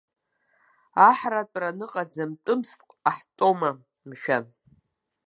Аҳра-тәра аныҟаӡам тәыс дҟаҳҵома, мшәан.